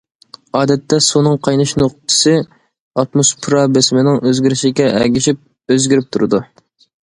ئادەتتە سۇنىڭ قايناش نۇقتىسى ئاتموسفېرا بېسىمىنىڭ ئۆزگىرىشىگە ئەگىشىپ ئۆزگىرىپ تۇرىدۇ.